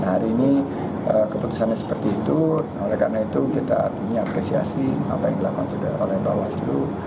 hari ini keputusannya seperti itu oleh karena itu kita apresiasi apa yang dilakukan oleh bawaslu